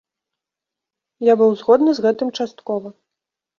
Я быў згодны з гэтым часткова.